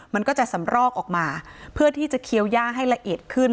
มันก็จะสำรอกออกมาเพื่อที่จะเคี้ยวย่างให้ละเอียดขึ้น